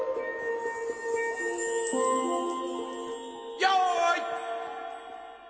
・よい。